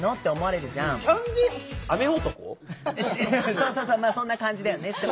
そうそうまあそんな感じだよね。